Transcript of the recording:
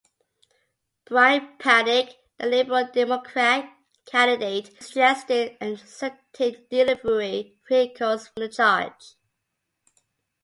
Brian Paddick, the Liberal Democrat candidate, suggested exempting delivery vehicles from the charge.